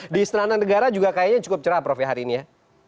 di istana negara juga kayaknya cukup cerah prof ya hari ini ya